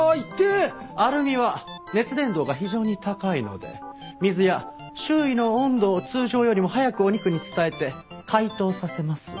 アルミは熱伝導が非常に高いので水や周囲の温度を通常よりも早くお肉に伝えて解凍させます。